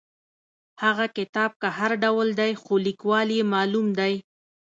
هغه کتاب که هر ډول دی خو لیکوال یې معلوم دی.